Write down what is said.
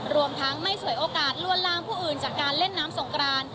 รวมทั้งไม่สวยโอกาสลวนลามผู้อื่นจากการเล่นน้ำสงกราน